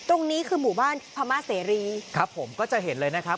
ตรงนี้คือหมู่บ้านพม่าเสรีครับผมก็จะเห็นเลยนะครับ